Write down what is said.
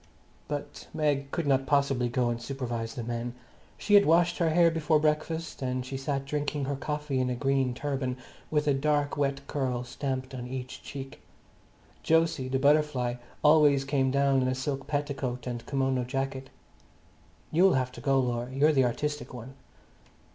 But Meg could not possibly go and supervise the men. She had washed her hair before breakfast, and she sat drinking her coffee in a green turban, with a dark wet curl stamped on each cheek. Jose, the butterfly, always came down in a silk petticoat and a kimono jacket. "You'll have to go, Laura; you're the artistic one."